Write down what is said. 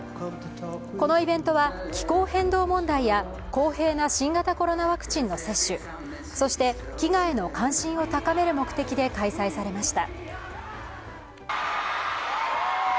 このイベントは気候変動問題や公平な新型コロナワクチンの接種、そして飢餓への関心を高める目的で開催されました。